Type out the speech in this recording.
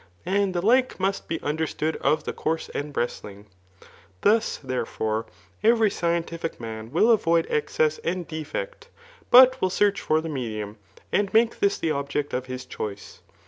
And the like must be understood, of the course and wrestling. Thus, therefore, every scienti||; man/will avoid excess and defect, but will search for. the medium, and make this the object of his choice.